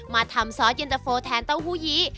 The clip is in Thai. มาทำซอสเย็นตะโฟแทนเต้าหู้ยี้